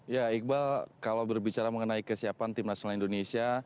ya iqbal kalau berbicara mengenai kesiapan timnas indonesia